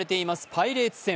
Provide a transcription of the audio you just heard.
パイレーツ戦。